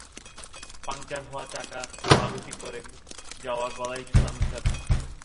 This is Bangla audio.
পাংচার হওয়া চাকা, পাউরুটি পড়ে যাওয়া, গলায় ঝোলানো চাবি।